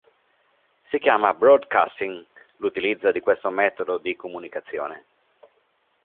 Si chiama "broadcasting" l'utilizzo di questo metodo di comunicazione.